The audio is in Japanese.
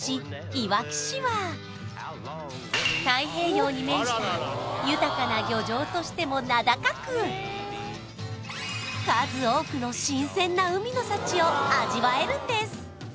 いわき市は太平洋に面した豊かな漁場としても名高く数多くの新鮮な海の幸を味わえるんです